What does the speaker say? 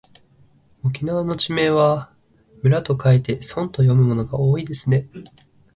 沖縄の地名は村と書いてそんと読むものが多いですね。